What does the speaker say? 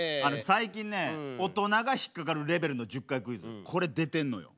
最近ね大人が引っ掛かるレベルの１０回クイズこれ出てんのよ。